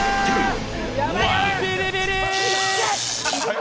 ビリビリ！